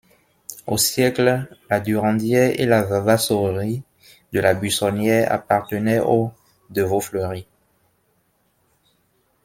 Au siècle, la Durandière et la vavassorerie de la Buissonnière appartenait aux De Vaufleury.